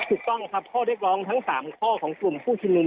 ถูกต้องครับข้อเรียกร้องทั้ง๓ข้อของกลุ่มผู้ชุมนุม